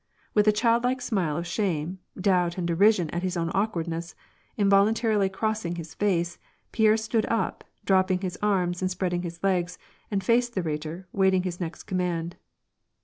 With a childlike smile of shame, doubt, and derision at his own awkwardness, involuntarily crossing his face, Pierre stood up, dropping his arms and spreading his legs, and faced the Rhetor, waiting his next command.